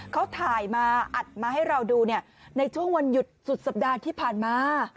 เขาถ่ายมาอัดมาให้เราดูในช่วงวันหยุดสุดสัปดาห์ที่ผ่านมา